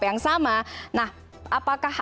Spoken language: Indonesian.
yang sama nah apakah